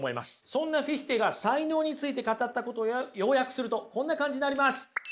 そんなフィヒテが才能について語ったことを要約するとこんな感じになります。